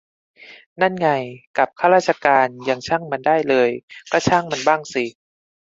นั่นไง กับข้าราชการยังช่างมันได้เลย ก็ช่างมันบ้างสิ